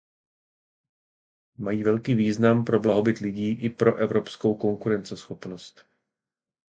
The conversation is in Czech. Mají velký význam pro blahobyt lidí i pro evropskou konkurenceschopnost.